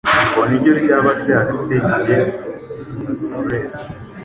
ngo niryo ryaba ryaratsembye dinosaures